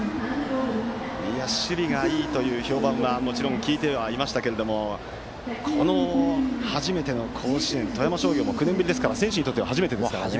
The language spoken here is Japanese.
守備がいいという評判はもちろん、聞いてはいましたがこの初めての甲子園の鳥栖工業と富山商業も９年ぶりですから選手にとっては初めてですからね。